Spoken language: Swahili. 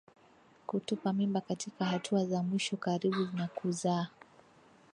Kutupa mimba katika hatua za mwisho karibu na kuzaa